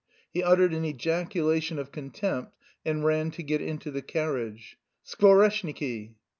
_ He uttered an ejaculation of contempt and ran to get into the carriage. "Skvoreshniki!"